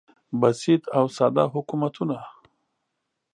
بسیط او ساده حکومتونه